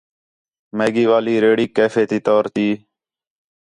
میگی والی ریڑھیک کیفے تے طور تی